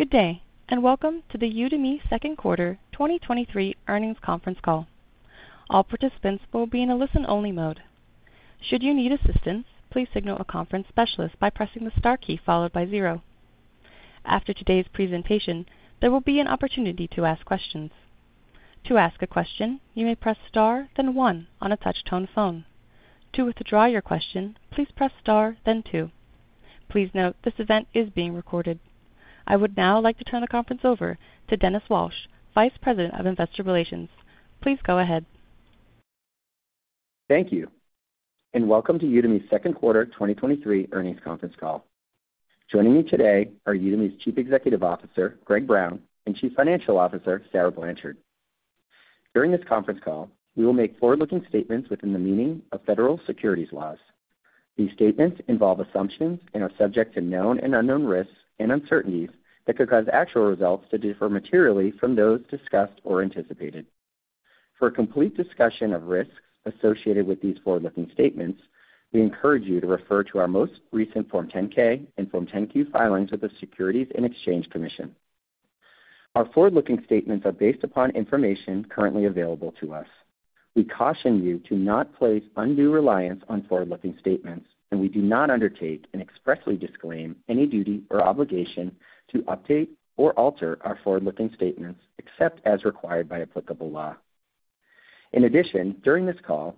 Good day. Welcome to the Udemy second quarter 2023 earnings conference call. All participants will be in a listen-only mode. Should you need assistance, please signal a conference specialist by pressing the star key followed by zero. After today's presentation, there will be an opportunity to ask questions. To ask a question, you may press star, then one on a touch-tone phone. To withdraw your question, please press star, then two. Please note, this event is being recorded. I would now like to turn the conference over to Dennis Walsh, Vice President, Investor Relations. Please go ahead. Thank you, and welcome to Udemy's Q2 2023 earnings conference call. Joining me today are Udemy's Chief Executive Officer, Greg Brown, and Chief Financial Officer, Sarah Blanchard. During this conference call, we will make forward-looking statements within the meaning of federal securities laws. These statements involve assumptions and are subject to known and unknown risks and uncertainties that could cause actual results to differ materially from those discussed or anticipated. For a complete discussion of risks associated with these forward-looking statements, we encourage you to refer to our most recent Form 10-K and Form 10-Q filings with the Securities and Exchange Commission. Our forward-looking statements are based upon information currently available to us. We caution you to not place undue reliance on forward-looking statements, and we do not undertake and expressly disclaim any duty or obligation to update or alter our forward-looking statements, except as required by applicable law. In addition, during this call,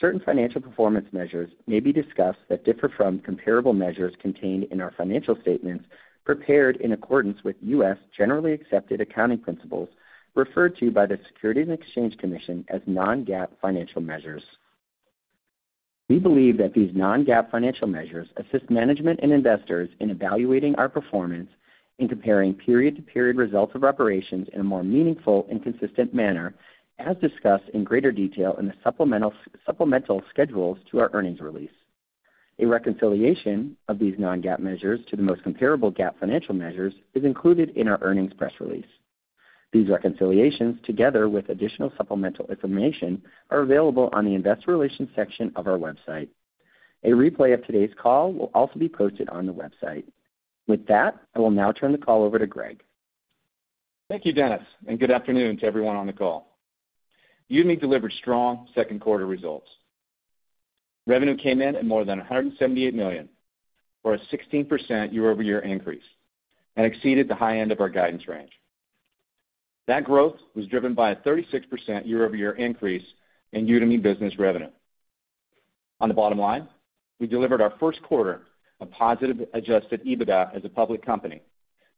certain financial performance measures may be discussed that differ from comparable measures contained in our financial statements prepared in accordance with U.S. generally accepted accounting principles, referred to by the Securities and Exchange Commission as non-GAAP financial measures. We believe that these non-GAAP financial measures assist management and investors in evaluating our performance in comparing period-to-period results of operations in a more meaningful and consistent manner, as discussed in greater detail in the supplemental, supplemental schedules to our earnings release. A reconciliation of these non-GAAP measures to the most comparable GAAP financial measures is included in our earnings press release. These reconciliations, together with additional supplemental information, are available on the investor relations section of our website. A replay of today's call will also be posted on the website. With that, I will now turn the call over to Greg. Thank you, Dennis, and good afternoon to everyone on the call. Udemy delivered strong second quarter results. Revenue came in at more than $178 million, for a 16% year-over-year increase, and exceeded the high end of our guidance range. That growth was driven by a 36% year-over-year increase in Udemy Business revenue. On the bottom line, we delivered our first quarter of positive adjusted EBITDA as a public company,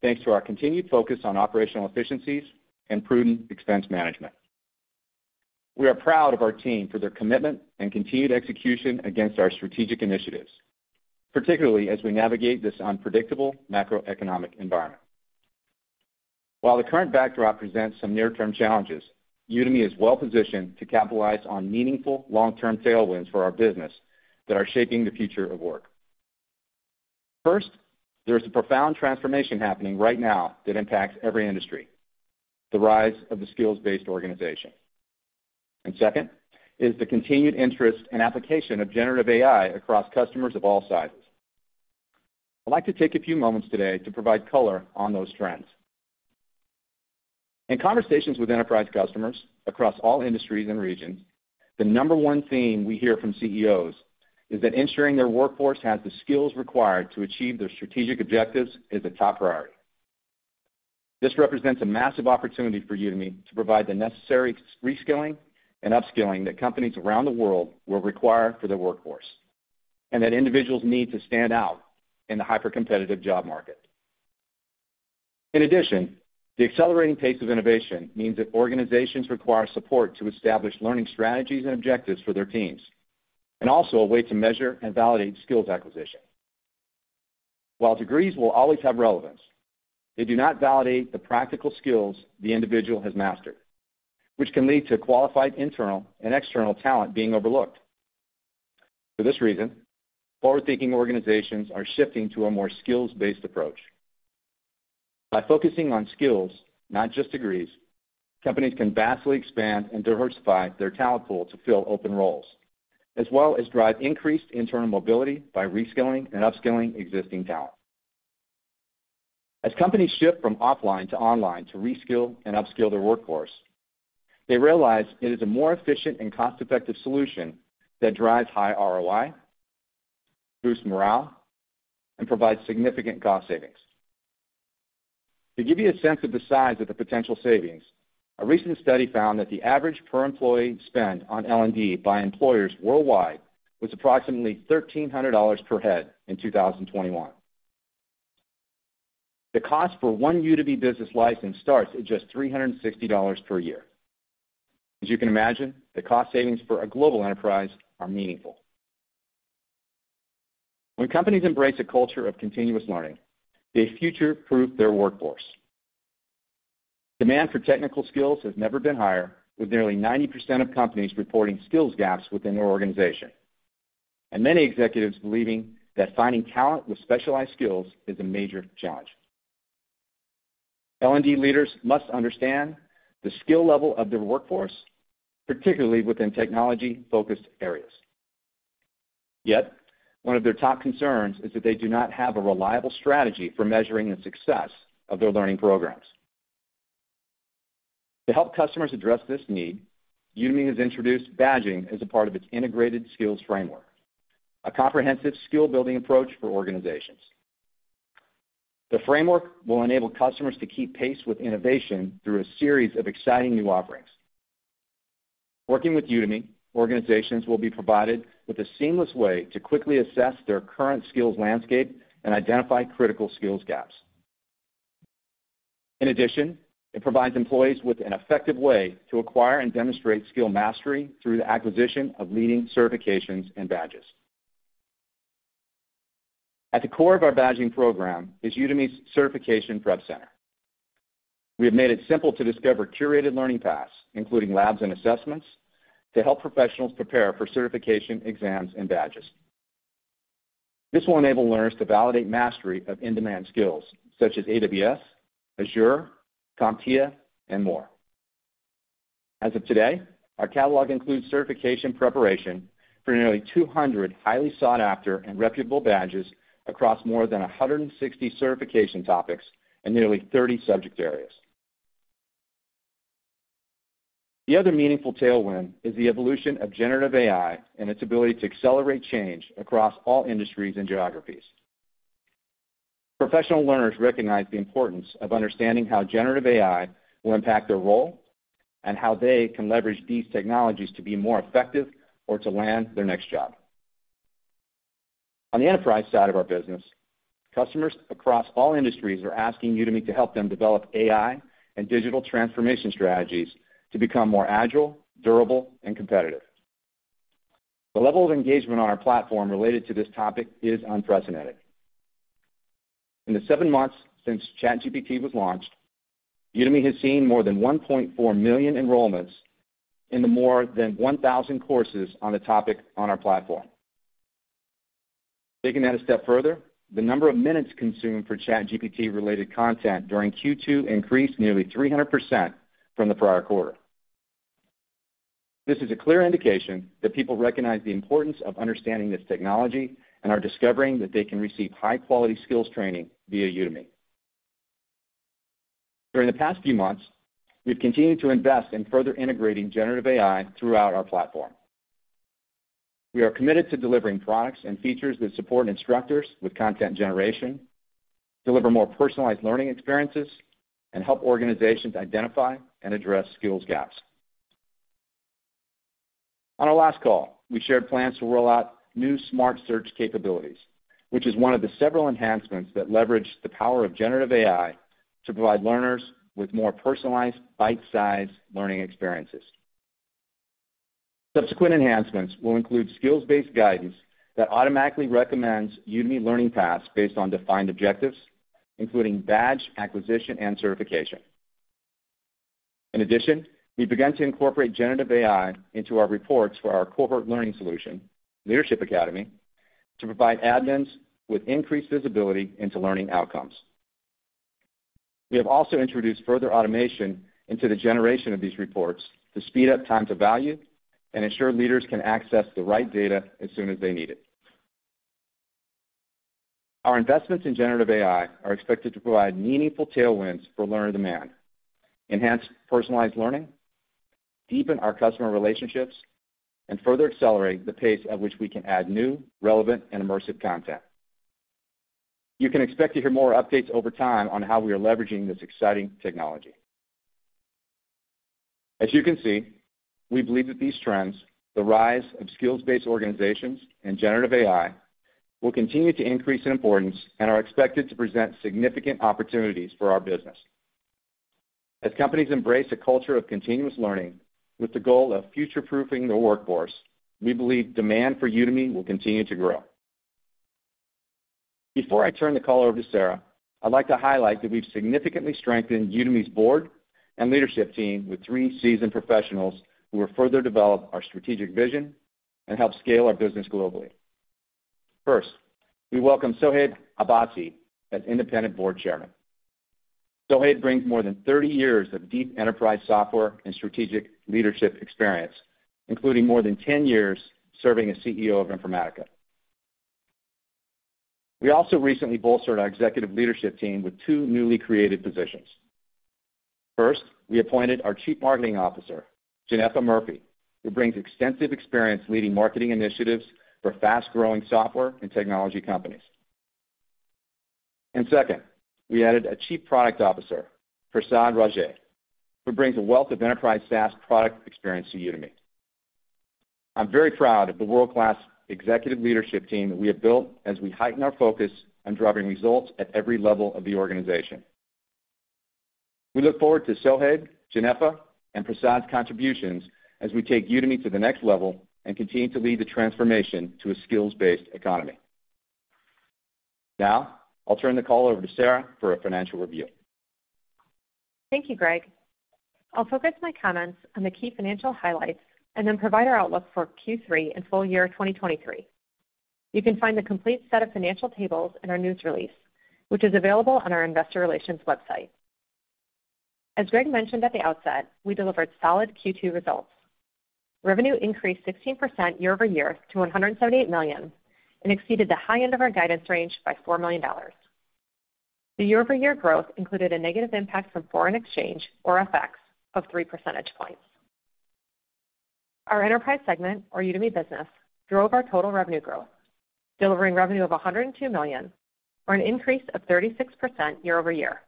thanks to our continued focus on operational efficiencies and prudent expense management. We are proud of our team for their commitment and continued execution against our strategic initiatives, particularly as we navigate this unpredictable macroeconomic environment. While the current backdrop presents some near-term challenges, Udemy is well positioned to capitalize on meaningful long-term tailwinds for our business that are shaping the future of work. First, there is a profound transformation happening right now that impacts every industry, the rise of the skills-based organization. Second is the continued interest and application of generative AI across customers of all sizes. I'd like to take a few moments today to provide color on those trends. In conversations with enterprise customers across all industries and regions, the number one theme we hear from CEOs is that ensuring their workforce has the skills required to achieve their strategic objectives is a top priority. This represents a massive opportunity for Udemy to provide the necessary reskilling and upskilling that companies around the world will require for their workforce, and that individuals need to stand out in the hyper-competitive job market. In addition, the accelerating pace of innovation means that organizations require support to establish learning strategies and objectives for their teams, and also a way to measure and validate skills acquisition. While degrees will always have relevance, they do not validate the practical skills the individual has mastered, which can lead to qualified internal and external talent being overlooked. For this reason, forward-thinking organizations are shifting to a more skills-based approach. By focusing on skills, not just degrees, companies can vastly expand and diversify their talent pool to fill open roles, as well as drive increased internal mobility by reskilling and upskilling existing talent. As companies shift from offline to online to reskill and upskill their workforce, they realize it is a more efficient and cost-effective solution that drives high ROI, boosts morale, and provides significant cost savings. To give you a sense of the size of the potential savings, a recent study found that the average per-employee spend on L&D by employers worldwide was approximately $1,300 per head in 2021. The cost for one Udemy Business license starts at just $360 per year. As you can imagine, the cost savings for a global enterprise are meaningful. When companies embrace a culture of continuous learning, they future-proof their workforce. Demand for technical skills has never been higher, with nearly 90% of companies reporting skills gaps within their organization, and many executives believing that finding talent with specialized skills is a major challenge. L&D leaders must understand the skill level of their workforce, particularly within technology-focused areas. Yet, one of their top concerns is that they do not have a reliable strategy for measuring the success of their learning programs. To help customers address this need, Udemy has introduced badging as a part of its Integrated Skills Framework, a comprehensive skill-building approach for organizations. The framework will enable customers to keep pace with innovation through a series of exciting new offerings. Working with Udemy, organizations will be provided with a seamless way to quickly assess their current skills landscape and identify critical skills gaps. In addition, it provides employees with an effective way to acquire and demonstrate skill mastery through the acquisition of leading certifications and badges. At the core of our badging program is Udemy's Certification Prep Center. We have made it simple to discover curated learning paths, including labs and assessments, to help professionals prepare for certification, exams, and badges. This will enable learners to validate mastery of in-demand skills such as AWS, Azure, CompTIA, and more. As of today, our catalog includes certification preparation for nearly 200 highly sought-after and reputable badges across more than 160 certification topics and nearly 30 subject areas. The other meaningful tailwind is the evolution of generative AI and its ability to accelerate change across all industries and geographies. Professional learners recognize the importance of understanding how generative AI will impact their role, and how they can leverage these technologies to be more effective or to land their next job. On the enterprise side of our business, customers across all industries are asking Udemy to help them develop AI and digital transformation strategies to become more agile, durable, and competitive. The level of engagement on our platform related to this topic is unprecedented. In the seven months since ChatGPT was launched, Udemy has seen more than 1.4 million enrollments in the more than 1,000 courses on the topic on our platform. Taking that a step further, the number of minutes consumed for ChatGPT-related content during Q2 increased nearly 300% from the prior quarter. This is a clear indication that people recognize the importance of understanding this technology and are discovering that they can receive high-quality skills training via Udemy. During the past few months, we've continued to invest in further integrating generative AI throughout our platform. We are committed to delivering products and features that support instructors with content generation, deliver more personalized learning experiences, and help organizations identify and address skills gaps. On our last call, we shared plans to roll out new smart search capabilities, which is one of the several enhancements that leverage the power of generative AI to provide learners with more personalized, bite-sized learning experiences. Subsequent enhancements will include skills-based guidance that automatically recommends Udemy learning paths based on defined objectives, including badge, acquisition, and certification. In addition, we've begun to incorporate generative AI into our reports for our corporate learning solution, Leadership Academy, to provide admins with increased visibility into learning outcomes. We have also introduced further automation into the generation of these reports to speed up time to value and ensure leaders can access the right data as soon as they need it. Our investments in generative AI are expected to provide meaningful tailwinds for learner demand, enhance personalized learning, deepen our customer relationships, and further accelerate the pace at which we can add new, relevant, and immersive content. You can expect to hear more updates over time on how we are leveraging this exciting technology. As you can see, we believe that these trends, the rise of skills-based organizations and generative AI, will continue to increase in importance and are expected to present significant opportunities for our business. As companies embrace a culture of continuous learning with the goal of future-proofing their workforce, we believe demand for Udemy will continue to grow. Before I turn the call over to Sarah, I'd like to highlight that we've significantly strengthened Udemy's board and leadership team with three seasoned professionals who will further develop our strategic vision and help scale our business globally. First, we welcome Sohaib Abbasi as independent board chairman. Sohaib brings more than 30 years of deep enterprise software and strategic leadership experience, including more than 10 years serving as CEO of Informatica. We also recently bolstered our executive leadership team with two newly created positions. First, we appointed our Chief Marketing Officer, Genefa Murphy, who brings extensive experience leading marketing initiatives for fast-growing software and technology companies. Second, we added a Chief Product Officer, Prasad Raje, who brings a wealth of enterprise SaaS product experience to Udemy. I'm very proud of the world-class executive leadership team that we have built as we heighten our focus on driving results at every level of the organization. We look forward to Sohaib, Genefa, and Prasad's contributions as we take Udemy to the next level and continue to lead the transformation to a skills-based economy. Now, I'll turn the call over to Sarah for a financial review. Thank you, Greg. I'll focus my comments on the key financial highlights and then provide our outlook for Q3 and full year 2023. You can find the complete set of financial tables in our news release, which is available on our investor relations website. As Greg mentioned at the outset, we delivered solid Q2 results. Revenue increased 16% year-over-year to $178 million, and exceeded the high end of our guidance range by $4 million. The year-over-year growth included a negative impact from foreign exchange or FX of 3 percentage points. Our enterprise segment, or Udemy Business, drove our total revenue growth, delivering revenue of $102 million, or an increase of 36% year-over-year.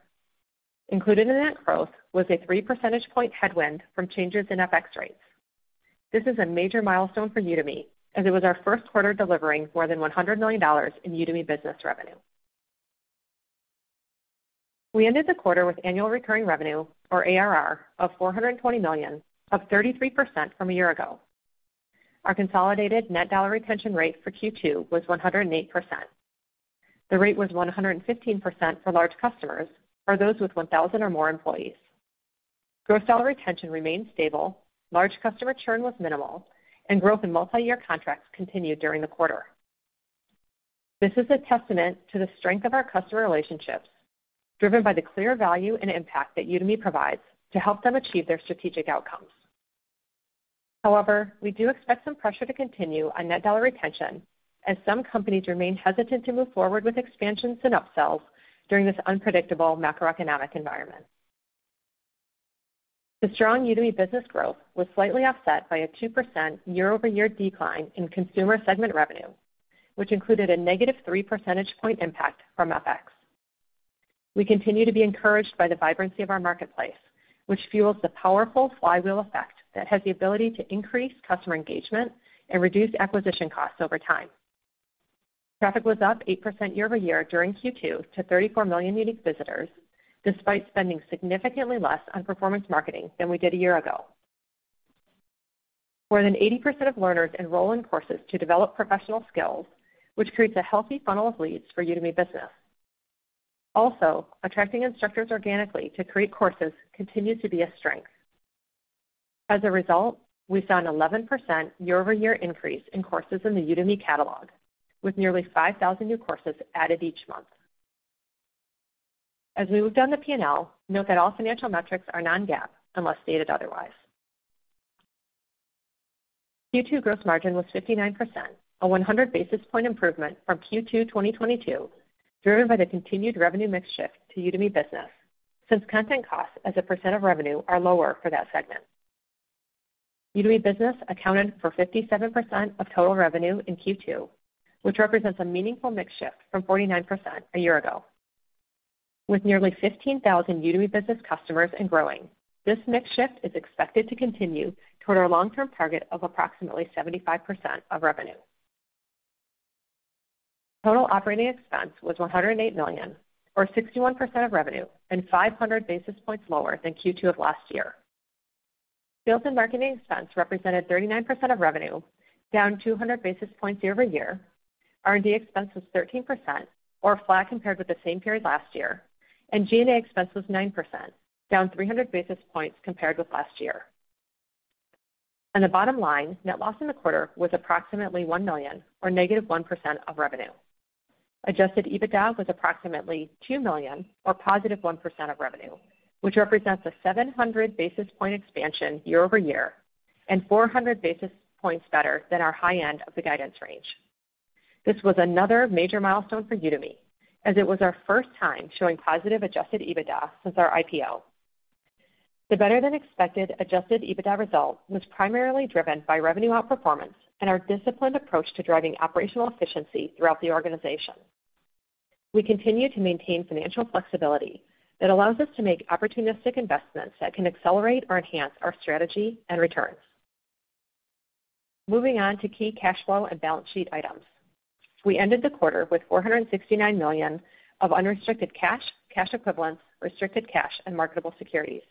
Included in that growth was a 3 percentage point headwind from changes in FX rates. This is a major milestone for Udemy, as it was our first quarter delivering more than $100 million in Udemy Business revenue. We ended the quarter with annual recurring revenue, or ARR, of $420 million, up 33% from a year ago. Our consolidated net dollar retention rate for Q2 was 108%. The rate was 115% for large customers, or those with 1,000 or more employees. Gross dollar retention remained stable, large customer churn was minimal, and growth in multi-year contracts continued during the quarter. This is a testament to the strength of our customer relationships, driven by the clear value and impact that Udemy provides to help them achieve their strategic outcomes. However, we do expect some pressure to continue on net dollar retention as some companies remain hesitant to move forward with expansions and upsells during this unpredictable macroeconomic environment. The strong Udemy Business growth was slightly offset by a 2% year-over-year decline in consumer segment revenue, which included a -3 percentage point impact from FX. We continue to be encouraged by the vibrancy of our marketplace, which fuels the powerful flywheel effect that has the ability to increase customer engagement and reduce acquisition costs over time. Traffic was up 8% year-over-year during Q2 to 34 million unique visitors, despite spending significantly less on performance marketing than we did a year ago. More than 80% of learners enroll in courses to develop professional skills, which creates a healthy funnel of leads for Udemy Business. Also, attracting instructors organically to create courses continues to be a strength. As a result, we saw an 11% year-over-year increase in courses in the Udemy catalog, with nearly 5,000 new courses added each month. As we move down the PNL, note that all financial metrics are non-GAAP unless stated otherwise. Q2 gross margin was 59%, a 100 basis point improvement from Q2 2022, driven by the continued revenue mix shift to Udemy Business, since content costs as a percent of revenue are lower for that segment. Udemy Business accounted for 57% of total revenue in Q2, which represents a meaningful mix shift from 49% a year ago. With nearly 15,000 Udemy Business customers and growing, this mix shift is expected to continue toward our long-term target of approximately 75% of revenue. Total operating expense was $108 million, or 61% of revenue, and 500 basis points lower than Q2 of last year. Sales and marketing expense represented 39% of revenue, down 200 basis points year-over-year. R&D expense was 13%, or flat compared with the same period last year, and G&A expense was 9%, down 300 basis points compared with last year. On the bottom line, net loss in the quarter was approximately $1 million, or -1% of revenue. Adjusted EBITDA was approximately $2 million, or +1% of revenue, which represents a 700 basis point expansion year-over-year and 400 basis points better than our high end of the guidance range. This was another major milestone for Udemy, as it was our first time showing positive adjusted EBITDA since our IPO. The better-than-expected adjusted EBITDA result was primarily driven by revenue outperformance and our disciplined approach to driving operational efficiency throughout the organization. We continue to maintain financial flexibility that allows us to make opportunistic investments that can accelerate or enhance our strategy and returns. Moving on to key cash flow and balance sheet items. We ended the quarter with $469 million of unrestricted cash, cash equivalents, restricted cash, and marketable securities.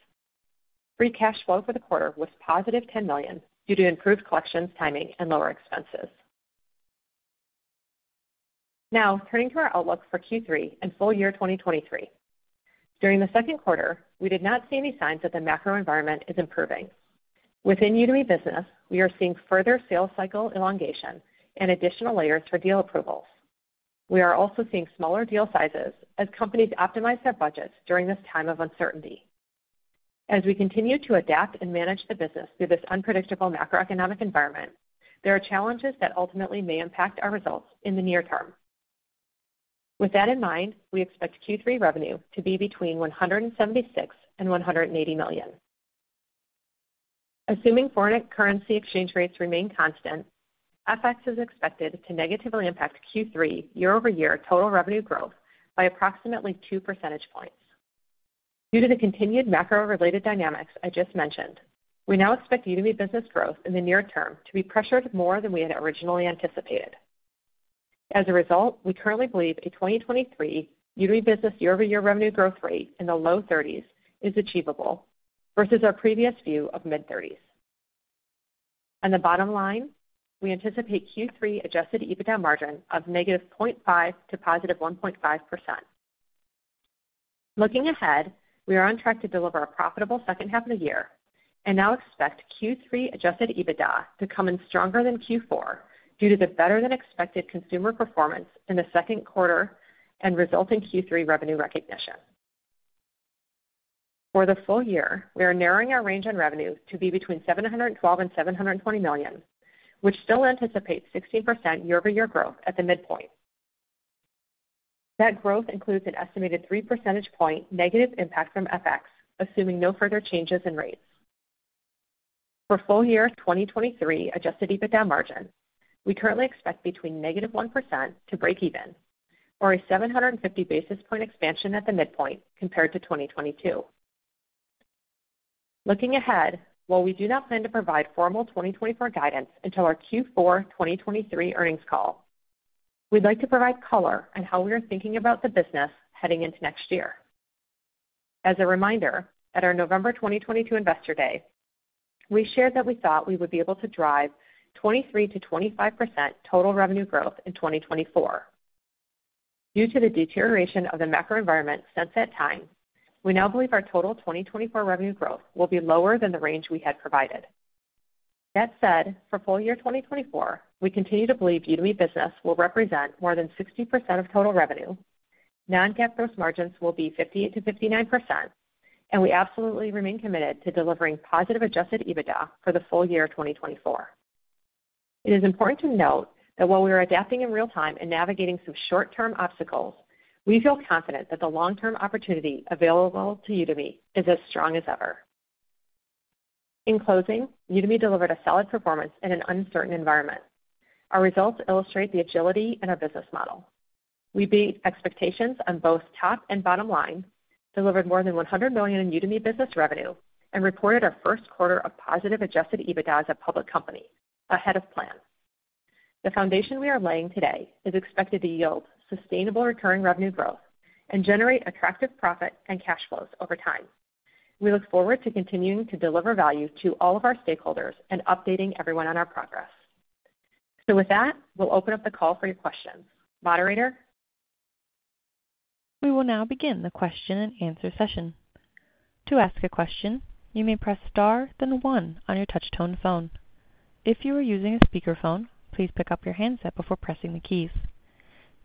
Free cash flow for the quarter was positive $10 million due to improved collections, timing, and lower expenses. Turning to our outlook for Q3 and full year 2023. During the second quarter, we did not see any signs that the macro environment is improving. Within Udemy Business, we are seeing further sales cycle elongation and additional layers for deal approvals. We are also seeing smaller deal sizes as companies optimize their budgets during this time of uncertainty. As we continue to adapt and manage the business through this unpredictable macroeconomic environment, there are challenges that ultimately may impact our results in the near term. With that in mind, we expect Q3 revenue to be between $176 million and $180 million. Assuming foreign currency exchange rates remain constant, FX is expected to negatively impact Q3 year-over-year total revenue growth by approximately 2 percentage points. Due to the continued macro-related dynamics I just mentioned, we now expect Udemy Business growth in the near term to be pressured more than we had originally anticipated. As a result, we currently believe a 2023 Udemy Business year-over-year revenue growth rate in the low 30s is achievable, versus our previous view of mid-30s. On the bottom line, we anticipate Q3 adjusted EBITDA margin of -0.5% to +1.5%. Looking ahead, we are on track to deliver a profitable second half of the year. Now expect Q3 adjusted EBITDA to come in stronger than Q4, due to the better-than-expected consumer performance in the second quarter and resulting Q3 revenue recognition. For the full year, we are narrowing our range on revenue to be between $712 million and $720 million, which still anticipates 16% year-over-year growth at the midpoint. That growth includes an estimated 3 percentage point negative impact from FX, assuming no further changes in rates. For full year 2023 adjusted EBITDA margin, we currently expect between -1% to breakeven, or a 750 basis point expansion at the midpoint compared to 2022. Looking ahead, while we do not plan to provide formal 2024 guidance until our Q4 2023 earnings call, we'd like to provide color on how we are thinking about the business heading into next year. As a reminder, at our November 2022 Investor Day, we shared that we thought we would be able to drive 23%-25% total revenue growth in 2024. Due to the deterioration of the macro environment since that time, we now believe our total 2024 revenue growth will be lower than the range we had provided. That said, for full year 2024, we continue to believe Udemy Business will represent more than 60% of total revenue. Non-GAAP gross margins will be 58%-59%, and we absolutely remain committed to delivering positive adjusted EBITDA for the full year of 2024. It is important to note that while we are adapting in real time and navigating some short-term obstacles, we feel confident that the long-term opportunity available to Udemy is as strong as ever. In closing, Udemy delivered a solid performance in an uncertain environment. Our results illustrate the agility in our business model. We beat expectations on both top and bottom line, delivered more than $100 million in Udemy Business revenue, and reported our first quarter of positive adjusted EBITDA as a public company, ahead of plan. The foundation we are laying today is expected to yield sustainable recurring revenue growth and generate attractive profit and cash flows over time. We look forward to continuing to deliver value to all of our stakeholders and updating everyone on our progress. With that, we'll open up the call for your questions. Moderator? We will now begin the question-and-answer session. To ask a question, you may press star, then one on your touchtone phone. If you are using a speakerphone, please pick up your handset before pressing the keys.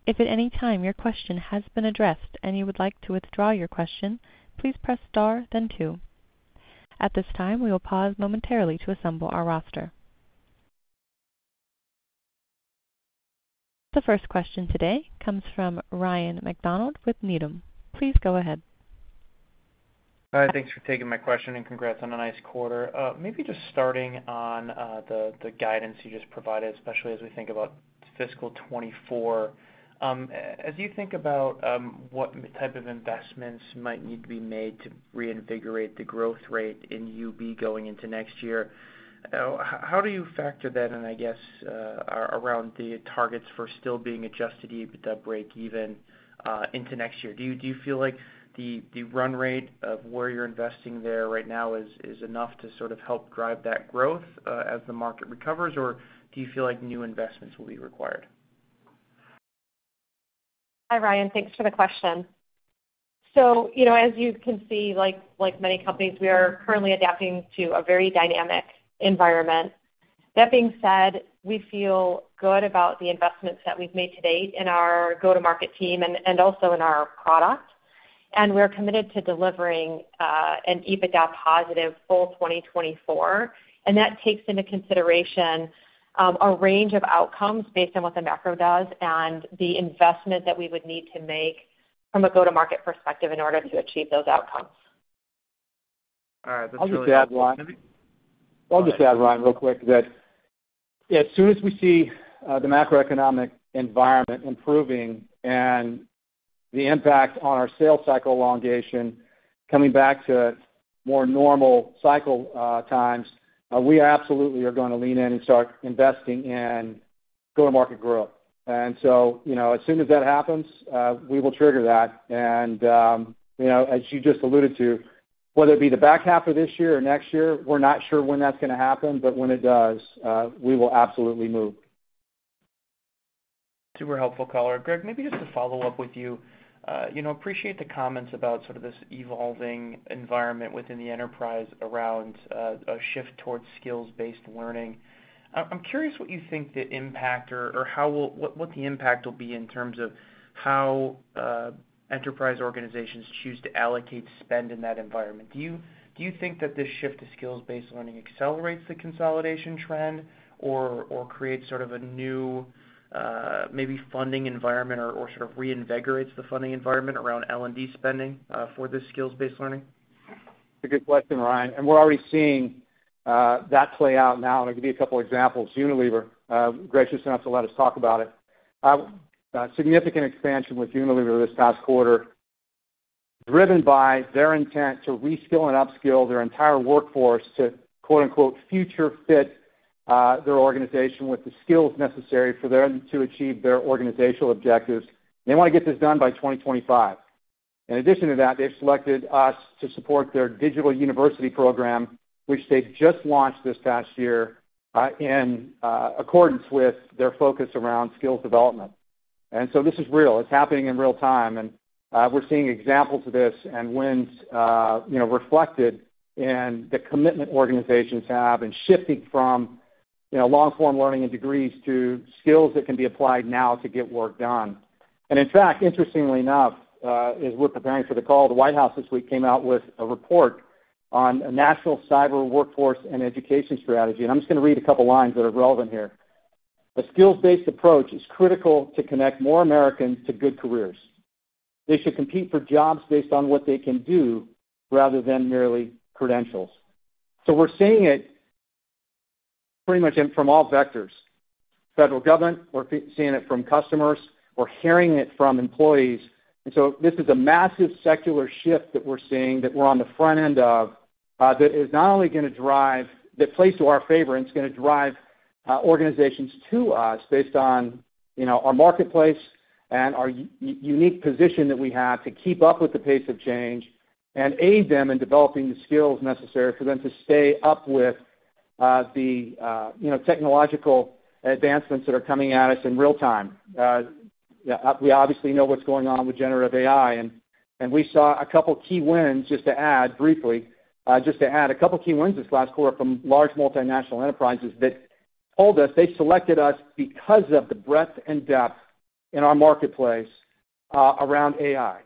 If at any time your question has been addressed and you would like to withdraw your question, please press star then two. At this time, we will pause momentarily to assemble our roster. The first question today comes from Ryan MacDonald with Needham. Please go ahead. Hi, thanks for taking my question, and congrats on a nice quarter. Maybe just starting on, the, the guidance you just provided, especially as we think about fiscal 2024. As you think about, what type of investments might need to be made to reinvigorate the growth rate in UB going into next year, how do you factor that in, I guess, around the targets for still being adjusted EBITDA breakeven, into next year? Do you, do you feel like the, the run rate of where you're investing there right now is, is enough to sort of help drive that growth, as the market recovers? Or do you feel like new investments will be required? Hi, Ryan. Thanks for the question. You know, as you can see, like, like many companies, we are currently adapting to a very dynamic environment. That being said, we feel good about the investments that we've made to date in our go-to-market team and also in our product. We're committed to delivering an EBITDA positive full 2024, and that takes into consideration a range of outcomes based on what the macro does and the investment that we would need to make from a go-to-market perspective in order to achieve those outcomes. All right. That's really- I'll just add, Ryan. I'll just add, Ryan, real quick, that as soon as we see the macroeconomic environment improving and the impact on our sales cycle elongation coming back to more normal cycle times, we absolutely are going to lean in and start investing in go-to-market growth. You know, as soon as that happens, we will trigger that. You know, as you just alluded to, whether it be the back half of this year or next year, we're not sure when that's gonna happen, but when it does, we will absolutely move. Super helpful color. Greg, maybe just to follow up with you. You know, appreciate the comments about sort of this evolving environment within the enterprise around a shift towards skills-based learning. I'm curious what you think the impact or what the impact will be in terms of how enterprise organizations choose to allocate spend in that environment. Do you think that this shift to skills-based learning accelerates the consolidation trend or creates sort of a new, maybe funding environment or sort of reinvigorates the funding environment around L&D spending for this skills-based learning? It's a good question, Ryan, and we're already seeing that play out now. I'll give you a couple examples. Unilever, Greg, you're set up to let us talk about it. A significant expansion with Unilever this past quarter, driven by their intent to reskill and upskill their entire workforce to, quote, unquote, "future fit," their organization with the skills necessary for them to achieve their organizational objectives. They want to get this done by 2025. In addition to that, they've selected us to support their digital university program, which they've just launched this past year, in accordance with their focus around skills development.... So this is real. It's happening in real time, and we're seeing examples of this and wins, you know, reflected in the commitment organizations have in shifting from, you know, long-form learning and degrees to skills that can be applied now to get work done. In fact, interestingly enough, as we're preparing for the call, the White House this week came out with a report on a national cyber workforce and education strategy, and I'm just going to read a couple lines that are relevant here. "A skills-based approach is critical to connect more Americans to good careers. They should compete for jobs based on what they can do rather than merely credentials." We're seeing it pretty much in from all vectors, federal government, we're seeing it from customers, we're hearing it from employees. So this is a massive secular shift that we're seeing, that we're on the front end of, that is not only going to drive the play to our favor, and it's going to drive organizations to us based on, you know, our marketplace and our unique position that we have to keep up with the pace of change and aid them in developing the skills necessary for them to stay up with, the, you know, technological advancements that are coming at us in real time. We obviously know what's going on with generative AI, and, and we saw a couple key wins, just to add briefly, just to add a couple key wins this last quarter from large multinational enterprises that told us they selected us because of the breadth and depth in our marketplace, around AI.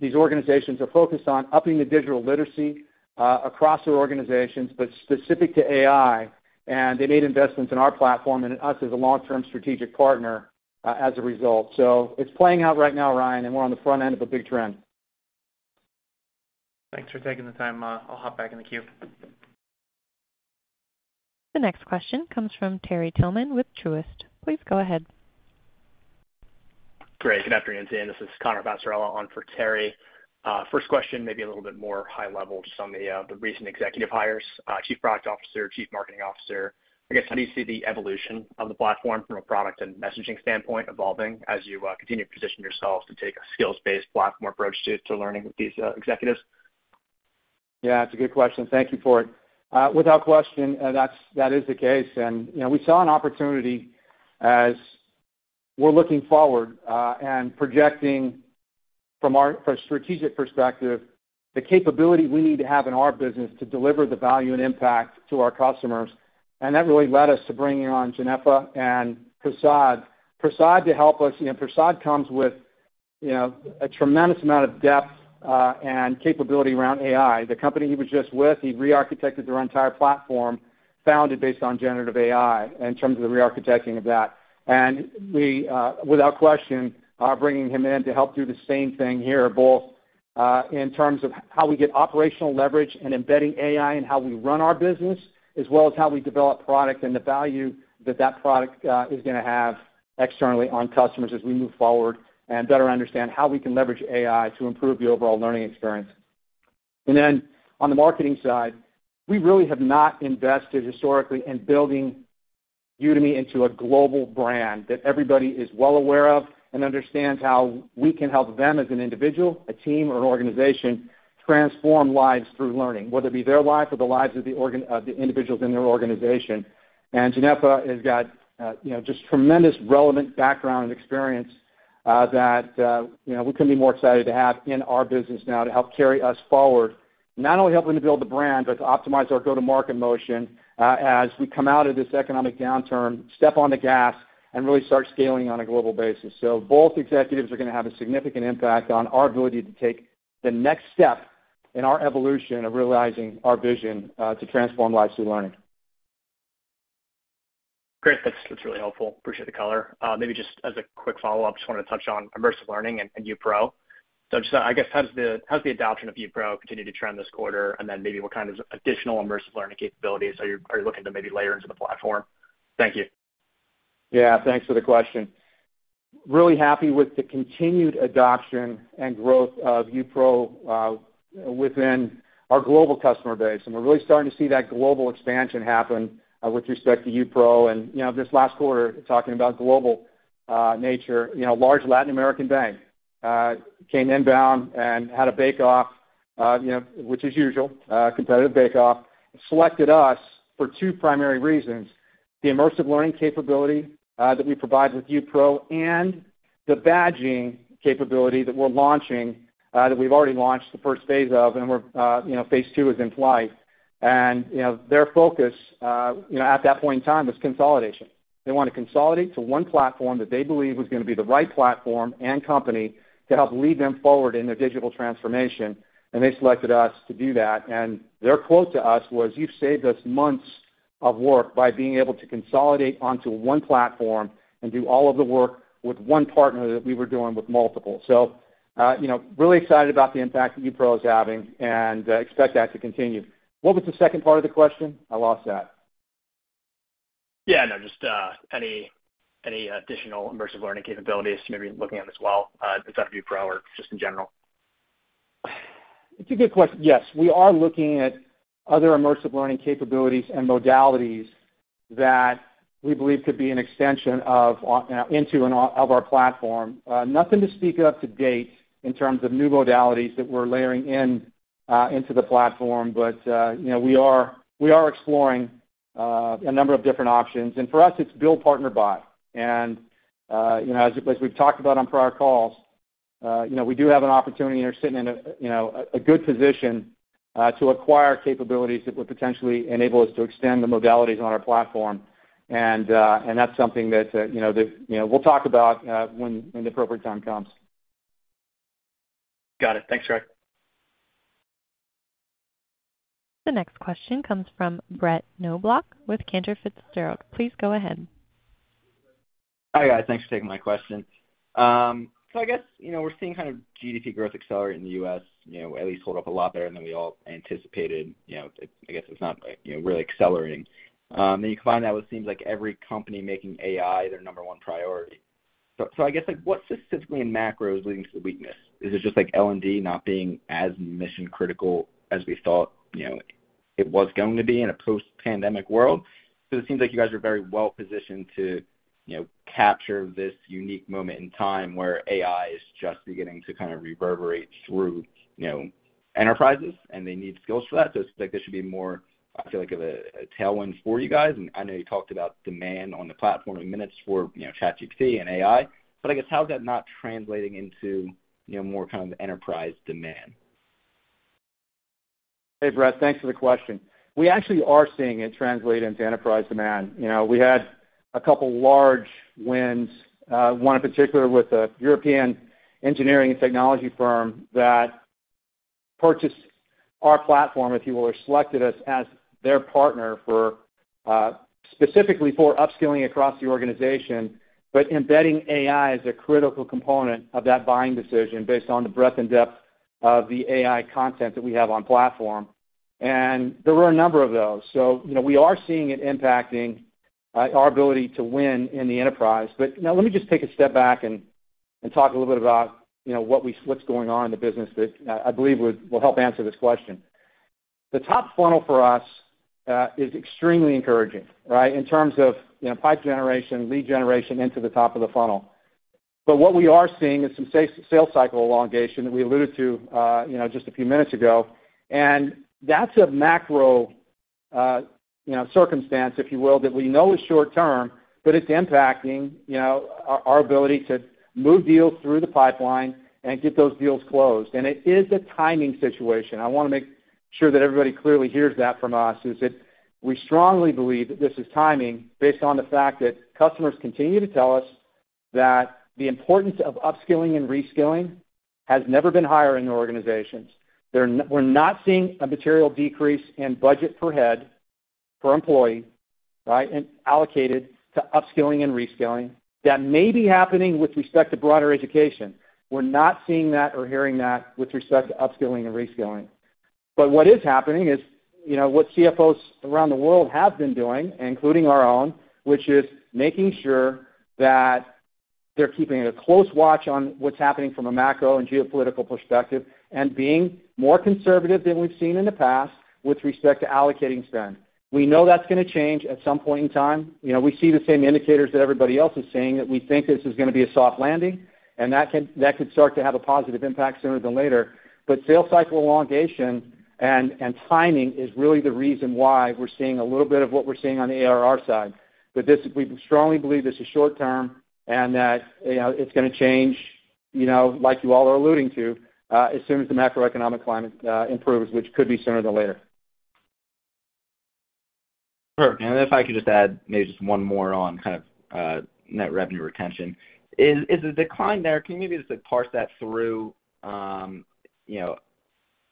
These organizations are focused on upping the digital literacy, across their organizations, but specific to AI, and they made investments in our platform and us as a long-term strategic partner, as a result. It's playing out right now, Ryan, and we're on the front end of a big trend. Thanks for taking the time, I'll hop back in the queue. The next question comes from Terry Tillman with Truist. Please go ahead. Great. Good afternoon, Dan. This is Connor Passarella on for Terry. First question, maybe a little bit more high level, just on the recent executive hires, Chief Product Officer, Chief Marketing Officer. I guess, how do you see the evolution of the platform from a product and messaging standpoint, evolving as you continue to position yourselves to take a skills-based platform approach to learning with these executives? Yeah, it's a good question. Thank you for it. Without question, that is the case. You know, we saw an opportunity as we're looking forward, and projecting from our, from a strategic perspective, the capability we need to have in our business to deliver the value and impact to our customers, and that really led us to bringing on Genefa and Prasad. Prasad, to help us. You know, Prasad comes with, you know, a tremendous amount of depth, and capability around AI. The company he was just with, he rearchitected their entire platform, founded based on generative AI, in terms of the rearchitecting of that. We, without question, are bringing him in to help do the same thing here, both, in terms of how we get operational leverage and embedding AI in how we run our business, as well as how we develop product and the value that that product, is going to have externally on customers as we move forward and better understand how we can leverage AI to improve the overall learning experience. Then on the marketing side, we really have not invested historically in building Udemy into a global brand that everybody is well aware of and understands how we can help them as an individual, a team, or an organization, transform lives through learning, whether it be their life or the lives of the org-- the individuals in their organization. Genefa has got, you know, just tremendous relevant background and experience, that, you know, we couldn't be more excited to have in our business now to help carry us forward. Not only helping to build the brand, but to optimize our go-to-market motion, as we come out of this economic downturn, step on the gas, and really start scaling on a global basis. Both executives are going to have a significant impact on our ability to take the next step in our evolution of realizing our vision, to transform lives through learning. Great. That's, that's really helpful. Appreciate the color. maybe just as a quick follow-up, just wanted to touch on immersive learning and, and UPro. just, I guess, how's the adoption of UPro continue to trend this quarter? then maybe what kind of additional immersive learning capabilities are you looking to maybe layer into the platform? Thank you. Yeah, thanks for the question. Really happy with the continued adoption and growth of UPro within our global customer base, and we're really starting to see that global expansion happen with respect to UPro. You know, this last quarter, talking about global nature, you know, large Latin American bank came inbound and had a bake off, you know, which is usual competitive bake off. Selected us for two primary reasons: the immersive learning capability that we provide with UPro and the badging capability that we're launching, that we've already launched the first phase of, and we're, you know, phase two is in flight. You know, their focus, you know, at that point in time, was consolidation. They want to consolidate to one platform that they believe was going to be the right platform and company to help lead them forward in their digital transformation, and they selected us to do that. Their quote to us was: You've saved us months of work by being able to consolidate onto one platform and do all of the work with one partner that we were doing with multiple. You know, really excited about the impact that UPro is having and expect that to continue. What was the second part of the question? I lost that. Yeah, no, just, any, any additional immersive learning capabilities you may be looking at as well, inside of UPro or just in general? It's a good question. Yes, we are looking at other immersive learning capabilities and modalities that we believe could be an extension of, on- into and of our platform. Nothing to speak of to date in terms of new modalities that we're layering in, into the platform, but, you know, we are exploring a number of different options, and for us, it's build, partner, buy. You know, as, as we've talked about on prior calls, you know, we do have an opportunity here, sitting in a, you know, a, a good position, to acquire capabilities that would potentially enable us to extend the modalities on our platform. That's something that, you know, that, you know, we'll talk about, when, when the appropriate time comes. Got it. Thanks, Greg. The next question comes from Brett Knoblauch with Cantor Fitzgerald. Please go ahead. Hi, guys. Thanks for taking my question. I guess, you know, we're seeing kind of GDP growth accelerate in the U.S., you know, at least hold up a lot better than we all anticipated. You know, I guess it's not, you know, really accelerating. You find out what seems like every company making AI their number one priority. I guess, like, what specifically in macro is leading to the weakness? Is it just like L&D not being as mission-critical as we thought, you know, it was going to be in a post-pandemic world? It seems like you guys are very well positioned to, you know, capture this unique moment in time where AI is just beginning to kind of reverberate through, you know, enterprises, and they need skills for that. It's like there should be more, I feel like, of a, a tailwind for you guys. I know you talked about demand on the platform in minutes for, you know, ChatGPT and AI, but I guess, how is that not translating into, you know, more kind of enterprise demand? Hey, Brett, thanks for the question. We actually are seeing it translate into enterprise demand. You know, we had a couple large wins, one in particular with a European engineering and technology firm that purchased our platform, if you will, or selected us as their partner for specifically for upskilling across the organization, but embedding AI as a critical component of that buying decision based on the breadth and depth of the AI content that we have on platform. There were a number of those. You know, we are seeing it impacting our ability to win in the enterprise. Now let me just take a step back and, and talk a little bit about, you know, what's going on in the business that I, I believe will help answer this question. The top funnel for us, is extremely encouraging, right, in terms of, you know, pipe generation, lead generation into the top of the funnel. What we are seeing is some sales cycle elongation that we alluded to, you know, just a few minutes ago. That's a macro, you know, circumstance, if you will, that we know is short term, but it's impacting, you know, our, our ability to move deals through the pipeline and get those deals closed. It is a timing situation. I wanna make sure that everybody clearly hears that from us, is that we strongly believe that this is timing based on the fact that customers continue to tell us that the importance of upskilling and reskilling has never been higher in their organizations. They're we're not seeing a material decrease in budget per head, per employee, right, and allocated to upskilling and reskilling. That may be happening with respect to broader education. We're not seeing that or hearing that with respect to upskilling and reskilling. What is happening is, you know, what CFOs around the world have been doing, including our own, which is making sure that they're keeping a close watch on what's happening from a macro and geopolitical perspective, and being more conservative than we've seen in the past with respect to allocating spend. We know that's gonna change at some point in time. You know, we see the same indicators that everybody else is seeing, that we think this is gonna be a soft landing, and that can, that could start to have a positive impact sooner than later. Sales cycle elongation and, and timing is really the reason why we're seeing a little bit of what we're seeing on the ARR side. This, we strongly believe this is short term and that, you know, it's gonna change, you know, like you all are alluding to, as soon as the macroeconomic climate, improves, which could be sooner than later. Sure. If I could just add maybe just one more on kind of, net revenue retention. Is the decline there, can you maybe just parse that through, you know,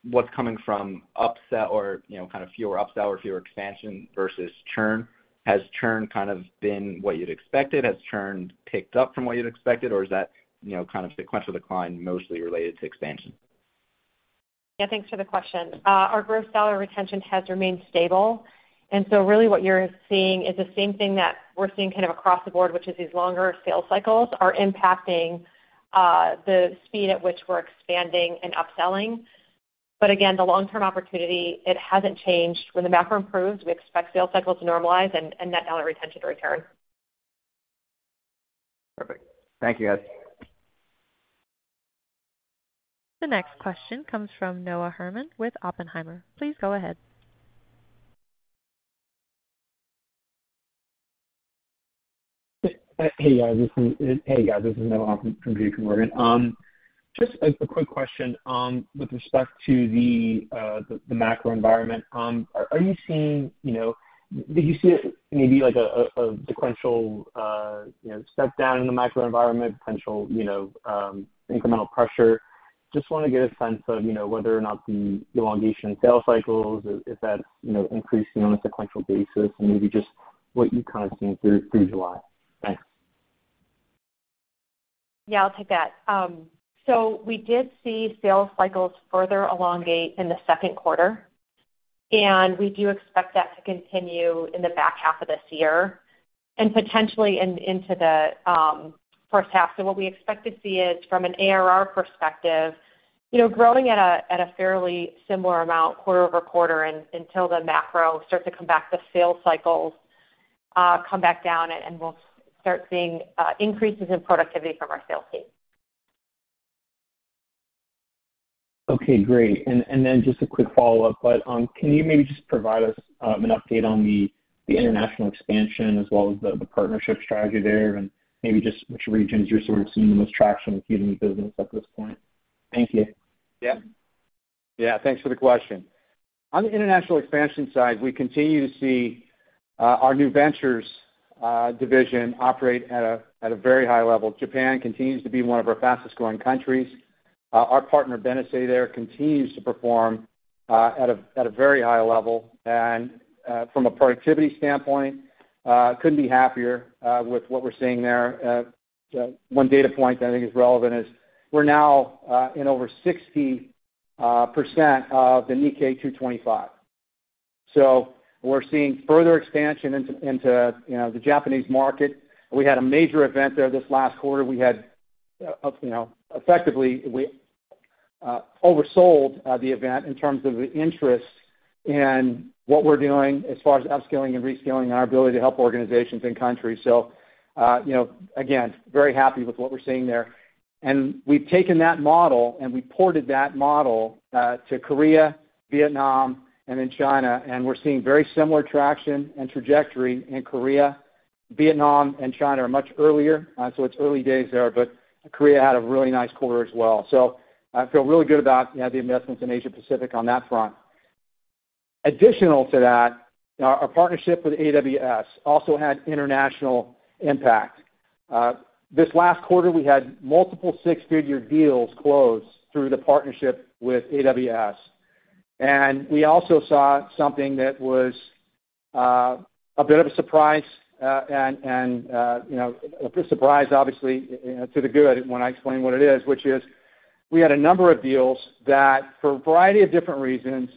what's coming from upsell or, you know, kind of fewer upsell or fewer expansion versus churn? Has churn kind of been what you'd expected? Has churn picked up from what you'd expected, or is that, you know, kind of sequential decline mostly related to expansion? Yeah, thanks for the question. Really what you're seeing is the same thing that we're seeing kind of across the board, which is these longer sales cycles are impacting the speed at which we're expanding and upselling. Again, the long-term opportunity, it hasn't changed. When the macro improves, we expect sales cycles to normalize and, and net dollar retention to return. Perfect. Thank you, guys. The next question comes from Noah Herman with Oppenheimer. Please go ahead. Hey, guys, Hey, guys, this is Noah Oppen- from Morgan. Just a, a quick question, with respect to the, the, the macro environment. Are, are you seeing, you know, do you see it maybe like a, a, a sequential, you know, step down in the macro environment, potential, you know, incremental pressure? Just wanna get a sense of, you know, whether or not the elongation of sales cycles, if, if that's, you know, increasing on a sequential basis and maybe just what you've kind of seen through, through July. Thanks. Yeah, I'll take that. We did see sales cycles further elongate in the second quarter, and we do expect that to continue in the back half of this year and potentially into the first half. What we expect to see is, from an ARR perspective, you know, growing at a, at a fairly similar amount quarter-over-quarter until the macro starts to come back, the sales cycles come back down, and we'll start seeing increases in productivity from our sales team. Okay, great. And then just a quick follow-up, but can you maybe just provide us an update on the international expansion as well as the partnership strategy there, and maybe just which regions you're sort of seeing the most traction with getting the business at this point? Thank you. Yeah. Yeah, thanks for the question. On the international expansion side, we continue to see our new ventures division operate at a very high level. Japan continues to be one of our fastest growing countries. Our partner, Benesse, there continues to perform at a very high level. From a productivity standpoint, couldn't be happier with what we're seeing there. One data point that I think is relevant is we're now in over 60% of the Nikkei 225. We're seeing further expansion into, you know, the Japanese market. We had a major event there this last quarter. We had, you know, effectively, we oversold the event in terms of the interest in what we're doing as far as upskilling and reskilling our ability to help organizations and countries. You know, again, very happy with what we're seeing there. We've taken that model, and we ported that model to Korea, Vietnam, and then China, and we're seeing very similar traction and trajectory in Korea. Vietnam and China are much earlier, so it's early days there, but Korea had a really nice quarter as well. I feel really good about, you know, the investments in Asia Pacific on that front. Additional to that, our partnership with AWS also had international impact. This last quarter, we had multiple six-figure deals close through the partnership with AWS. We also saw something that was a bit of a surprise, and, and, you know, a surprise, obviously, to the good when I explain what it is, which is we had a number of deals that, for a variety of different reasons,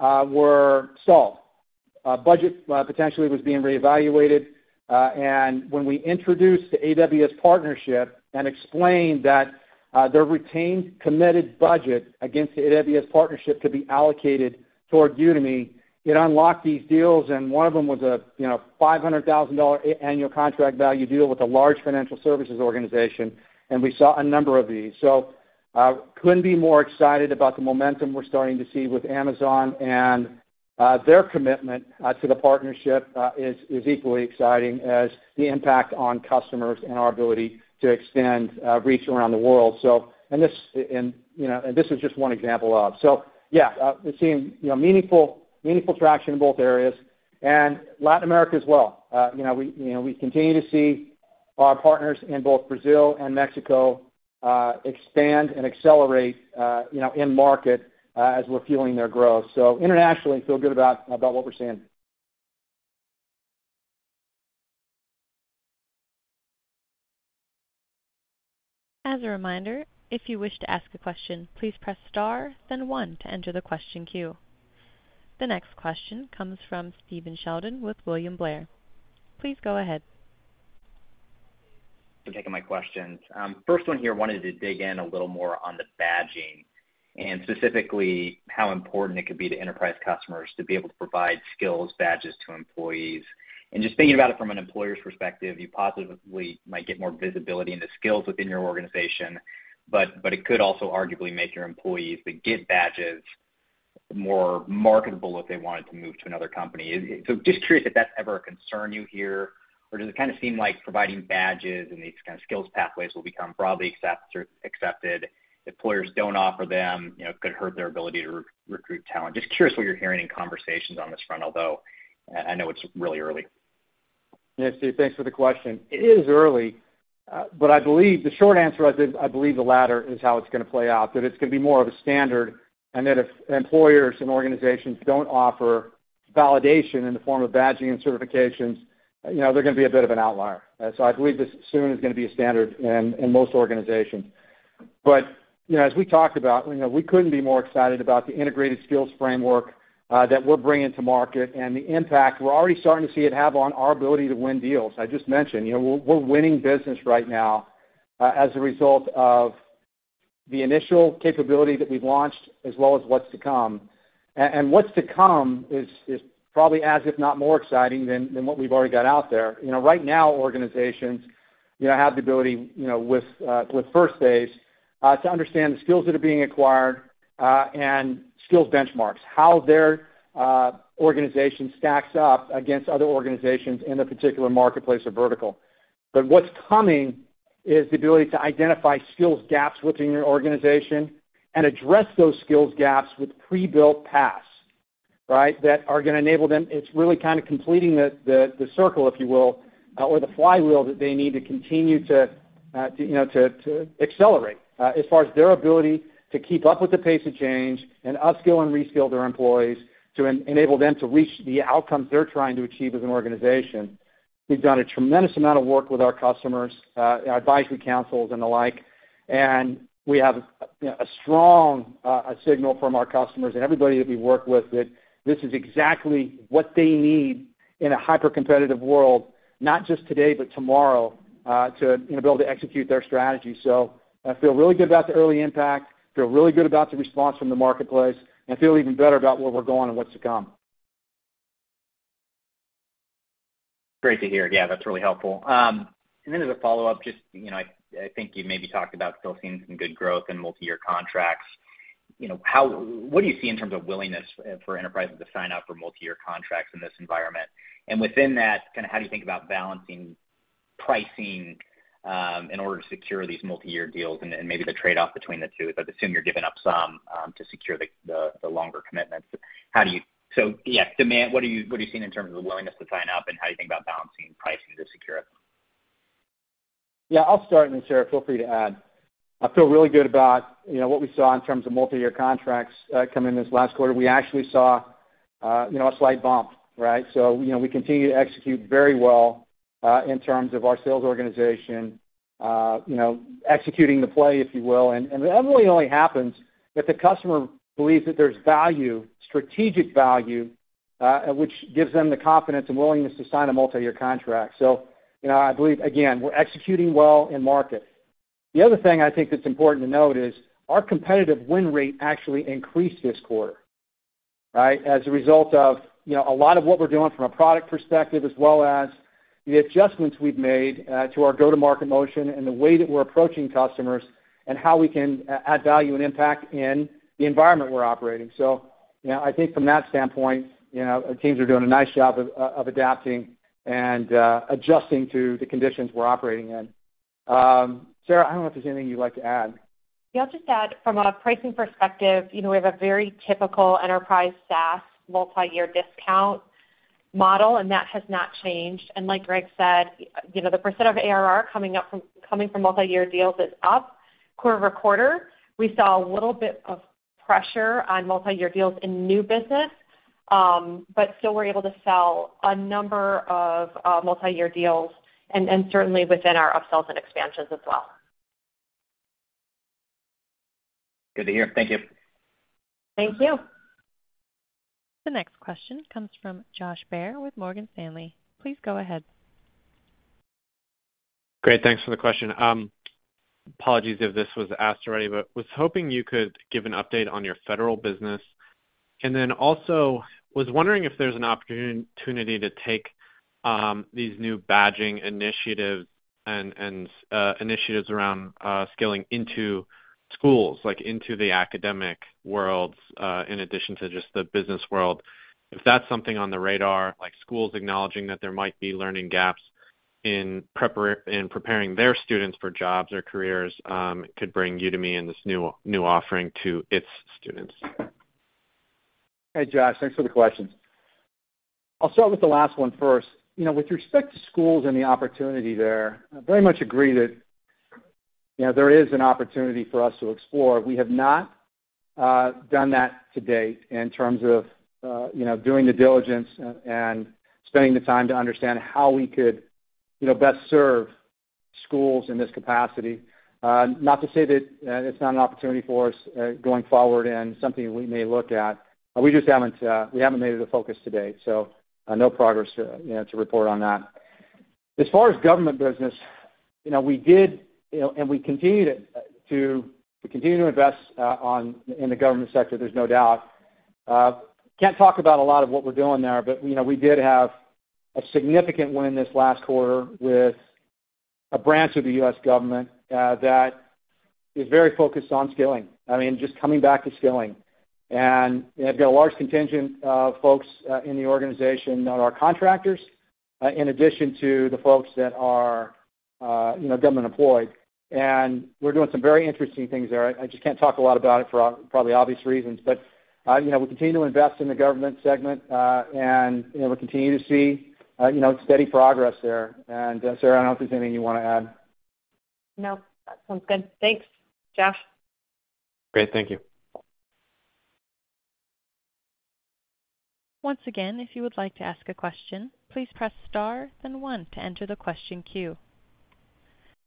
were stalled. Budget potentially was being reevaluated, and when we introduced the AWS partnership and explained that their retained committed budget against the AWS partnership could be allocated toward Udemy, it unlocked these deals, and one of them was a, you know, $500,000 annual contract value deal with a large financial services organization, and we saw a number of these. Couldn't be more excited about the momentum we're starting to see with Amazon, and their commitment to the partnership is equally exciting as the impact on customers and our ability to extend reach around the world. You know, this is just one example of. We're seeing, you know, meaningful, meaningful traction in both areas and Latin America as well. You know, we, you know, we continue to see our partners in both Brazil and Mexico expand and accelerate, you know, in market, as we're fueling their growth. Internationally, feel good about what we're seeing. As a reminder, if you wish to ask a question, please press star, then one to enter the question queue. The next question comes from Stephen Sheldon with William Blair. Please go ahead. For taking my questions. First one here, wanted to dig in a little more on the badging and specifically how important it could be to enterprise customers to be able to provide skills badges to employees. Just thinking about it from an employer's perspective, you positively might get more visibility into skills within your organization, but it could also arguably make your employees that get badges more marketable if they wanted to move to another company. Just curious if that's ever a concern you hear, or does it kind of seem like providing badges and these kind of skills pathways will become broadly accepted, or accepted, if employers don't offer them, you know, could hurt their ability to re-recruit talent? Just curious what you're hearing in conversations on this front, although, I know it's really early. Yeah, Steve, thanks for the question. It is early, but I believe the short answer is, I believe the latter is how it's gonna play out, that it's gonna be more of a standard, and that if employers and organizations don't offer validation in the form of badging and certifications, you know, they're gonna be a bit of an outlier. I believe this soon is gonna be a standard in, in most organizations. You know, as we talked about, you know, we couldn't be more excited about the Integrated Skills Framework that we're bringing to market and the impact we're already starting to see it have on our ability to win deals. I just mentioned, you know, we're, we're winning business right now, as a result of the initial capability that we've launched, as well as what's to come. What's to come is, is probably as, if not more exciting than, than what we've already got out there. You know, right now, organizations, you know, have the ability, you know, with first base, to understand the skills that are being acquired, and skills benchmarks, how their organization stacks up against other organizations in a particular marketplace or vertical. What's coming is the ability to identify skills gaps within your organization and address those skills gaps with pre-built paths, right? That are gonna enable them. It's really kind of completing the, the, the circle, if you will, or the flywheel that they need to continue to, to, you know, to, to accelerate, as far as their ability to keep up with the pace of change and upskill and reskill their employees, to enable them to reach the outcomes they're trying to achieve as an organization. We've done a tremendous amount of work with our customers, our advisory councils and the like, and we have, you know, a strong, signal from our customers and everybody that we work with, that this is exactly what they need in a hyper-competitive world, not just today, but tomorrow, to, you know, be able to execute their strategy. I feel really good about the early impact, feel really good about the response from the marketplace, and I feel even better about where we're going and what's to come. Great to hear. Yeah, that's really helpful. Then as a follow-up, just, you know, I, I think you maybe talked about still seeing some good growth in multi-year contracts. You know, what do you see in terms of willingness for enterprises to sign up for multi-year contracts in this environment? Within that, kind of how do you think about balancing pricing in order to secure these multi-year deals and, and maybe the trade-off between the two? Assume you're giving up some to secure the, the, the longer commitments. Yes, demand, what are you, what are you seeing in terms of the willingness to sign up, and how do you think about balancing pricing to secure it? Yeah, I'll start, and then, Sarah, feel free to add. I feel really good about, you know, what we saw in terms of multi-year contracts, come in this last quarter. We actually saw, you know, a slight bump, right? You know, we continue to execute very well, in terms of our sales organization, you know, executing the play, if you will. That only, only happens if the customer believes that there's value, strategic value, which gives them the confidence and willingness to sign a multi-year contract. You know, I believe, again, we're executing well in market. The other thing I think that's important to note is our competitive win rate actually increased this quarter, right? As a result of, you know, a lot of what we're doing from a product perspective, as well as the adjustments we've made, to our go-to-market motion and the way that we're approaching customers, and how we can add value and impact in the environment we're operating. You know, I think from that standpoint, you know, our teams are doing a nice job of adapting and adjusting to the conditions we're operating in. Sarah, I don't know if there's anything you'd like to add. Yeah, I'll just add from a pricing perspective, you know, we have a very typical enterprise SaaS multi-year discount model, and that has not changed. Like Greg said, you know, the percent of ARR coming from multi-year deals is up quarter-over-quarter. We saw a little bit of pressure on multi-year deals in new business, still were able to sell a number of multi-year deals and, and certainly within our upsells and expansions as well. Good to hear. Thank you. Thank you. The next question comes from Josh Baer with Morgan Stanley. Please go ahead. Great, thanks for the question. Apologies if this was asked already, but was hoping you could give an update on your federal business. Also was wondering if there's an opportunity to take these new badging initiatives and initiatives around skilling into schools, like into the academic worlds, in addition to just the business world. If that's something on the radar, like schools acknowledging that there might be learning gaps in preparing their students for jobs or careers, could bring Udemy and this new, new offering to its students? Hey, Josh. Thanks for the question. I'll start with the last one first. You know, with respect to schools and the opportunity there, I very much agree that, you know, there is an opportunity for us to explore. We have not done that to date in terms of, you know, doing the diligence and, and spending the time to understand how we could, you know, best serve schools in this capacity. Not to say that it's not an opportunity for us going forward and something we may look at. We just haven't, we haven't made it a focus to date, so no progress, you know, to report on that. As far as government business, you know, we did, you know, and we continue to, to continue to invest on, in the government sector, there's no doubt. can't talk about a lot of what we're doing there, you know, we did have a significant win this last quarter with a branch of the U.S. government, that is very focused on skilling. I mean, just coming back to skilling. They've got a large contingent of folks, in the organization that are contractors, in addition to the folks that are, you know, government employed. We're doing some very interesting things there. I just can't talk a lot about it for ob- for probably obvious reasons. You know, we continue to invest in the government segment, and, you know, we continue to see, you know, steady progress there. Sarah, I don't know if there's anything you want to add. No, that sounds good. Thanks, Josh. Great. Thank you. Once again, if you would like to ask a question, please press star, then one to enter the question queue.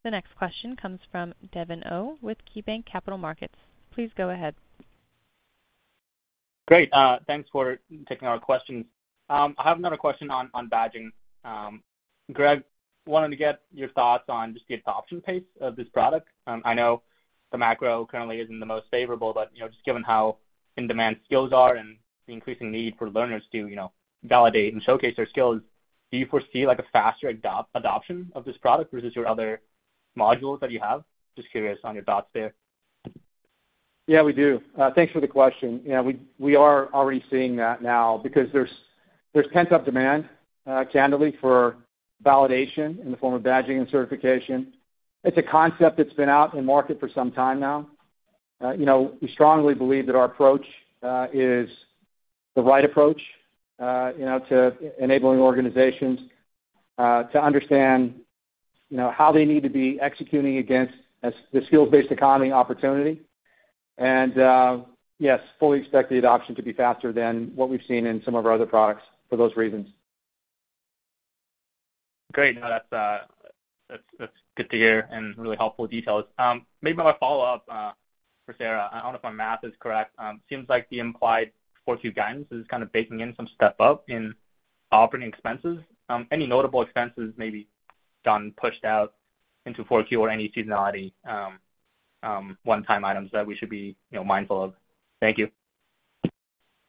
The next question comes from Devin Au with KeyBanc Capital Markets. Please go ahead. Great, thanks for taking our questions. I have another question on, on badging. Greg, wanted to get your thoughts on just the adoption pace of this product. I know the macro currently isn't the most favorable, but, you know, just given how in-demand skills are and the increasing need for learners to, you know, validate and showcase their skills, do you foresee, like, a faster adoption of this product versus your other modules that you have? Just curious on your thoughts there. Yeah, we do. Thanks for the question. You know, we, we are already seeing that now because there's, there's pent-up demand, candidly, for validation in the form of badging and certification. It's a concept that's been out in market for some time now. You know, we strongly believe that our approach is the right approach, you know, to enabling organizations to understand, you know, how they need to be executing against as the skills-based economy opportunity. Yes, fully expect the adoption to be faster than what we've seen in some of our other products for those reasons. Great. No, that's, that's, that's good to hear and really helpful details. Maybe my follow-up for Sarah. I don't know if my math is correct. Seems like the implied Q4 guidance is kind of baking in some step-up in operating expenses. Any notable expenses may be done, pushed out into Q4 or any seasonality, one-time items that we should be, you know, mindful of? Thank you.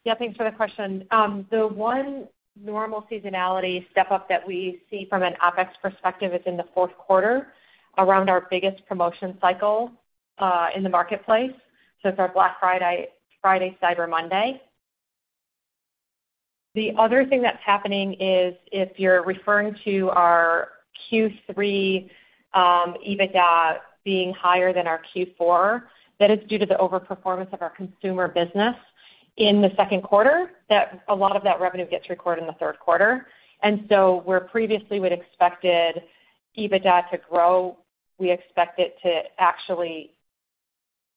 Yeah, thanks for the question. The one normal seasonality step-up that we see from an OpEx perspective is in the fourth quarter, around our biggest promotion cycle in the marketplace. It's our Black Friday, Cyber Monday. The other thing that's happening is, if you're referring to our Q3 EBITDA being higher than our Q4, that is due to the overperformance of our consumer business in the second quarter, that a lot of that revenue gets recorded in the third quarter. Where previously we'd expected EBITDA to grow, we expect it to actually,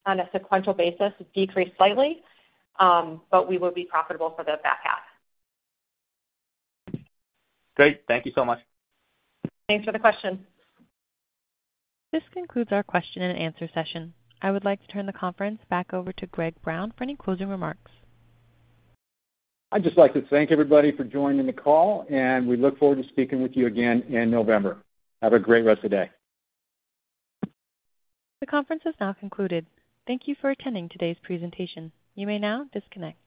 on a sequential basis, decrease slightly, we will be profitable for the back half. Great. Thank you so much. Thanks for the question. This concludes our question and answer session. I would like to turn the conference back over to Greg Brown for any closing remarks. I'd just like to thank everybody for joining the call, and we look forward to speaking with you again in November. Have a great rest of the day. The conference has now concluded. Thank you for attending today's presentation. You may now disconnect.